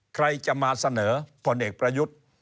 ใครจะมาเสนอผลเอกประยุทธ์